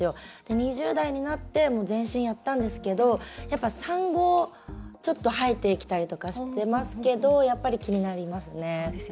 ２０代になってもう全身やったんですけどやっぱ産後、ちょっと生えてきたりとかしてますけどやっぱり気になりますね。